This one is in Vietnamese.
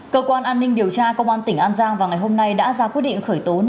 cơ quan an ninh điều tra công an tỉnh an giang vào ngày hôm nay đã ra quyết định khởi tố